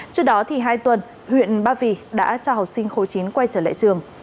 trước đó hai tuần huyện ba vì đã cho học sinh khối chín quay trở lại trường